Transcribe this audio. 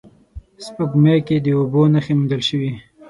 سپوږمۍ کې د اوبو نخښې موندل شوې